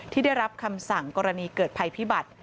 ที่ได้รับคำสั่งกรณีเกิดภัยพิบัติ